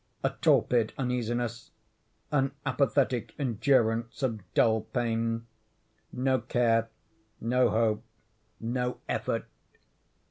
A torpid uneasiness. An apathetic endurance of dull pain. No care—no hope—no effort.